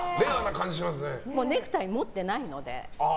ネクタイ持ってないので。